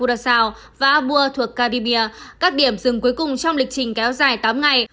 đoàn sao và bùa thuộc caribbean các điểm dừng cuối cùng trong lịch trình kéo dài tám ngày